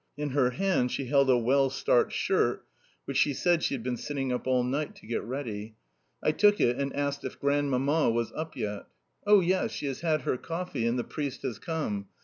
In her hand she held a well starched shirt which she said she had been sitting up all night to get ready. I took it, and asked if Grandmamma was up yet. "Oh yes, she has had her coffee, and the priest has come.